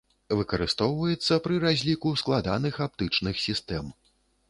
Выкарыстоўваецца пры разліку складаных аптычных сістэм.